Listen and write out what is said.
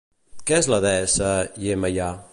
Què és la Deessa Yemayà?